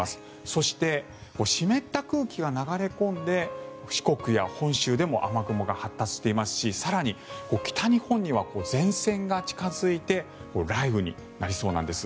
そして、湿った空気が流れ込んで四国や本州でも雨雲が発達していますし更に、北日本には前線が近付いて雷雨になりそうなんです。